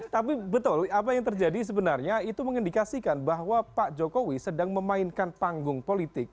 tapi betul apa yang terjadi sebenarnya itu mengindikasikan bahwa pak jokowi sedang memainkan panggung politik